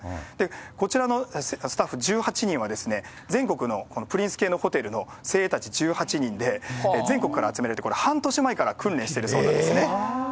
こちらのスタッフ１８人は、全国のこのプリンス系のホテルの精鋭たち１８人で、全国から集められて、これ、半年前から訓練しているそうなんですね。